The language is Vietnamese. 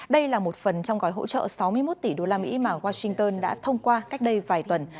đây là một phần trong gói hỗ trợ sáu mươi một tỷ đô la mỹ mà washington đã thông qua cách đây vài tuần